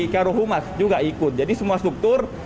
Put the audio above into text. karohumas juga ikut jadi semua struktur